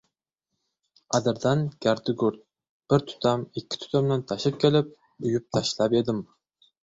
Adirdan gardi-gurd, bir tutam-ikki tutamdan tashib kelib, uyub tashlab edim.